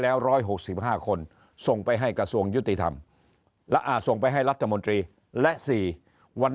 แล้ว๑๖๕คนส่งไปให้กระทรวงยุติธรรมและอ่าส่งไปให้รัฐมนตรีและ๔วัน